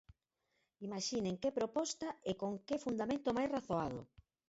¡Imaxinen que proposta e con que fundamento máis razoado!